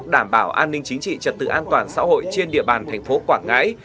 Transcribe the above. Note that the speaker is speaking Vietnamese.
đảm bảo an ninh chính trị trật tự an toàn xã hội trên địa bàn thành phố quảng ngãi